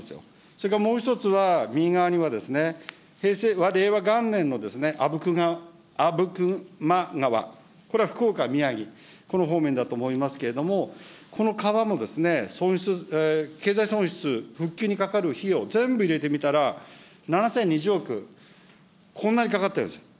それからもう一つは、右側には、令和元年のあぶくま川、これは福岡、宮城、この方面だと思いますけれども、この川もですね、経済損失、復旧にかかる費用、全部入れてみたら、７０２０億、こんなにかかってるんですよ。